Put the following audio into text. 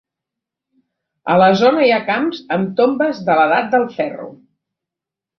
A la zona hi ha camps amb tombes de l'edat del ferro.